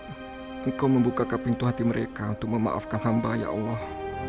engkau membuka ke pintu hati mereka untuk memaafkan hamba ya allah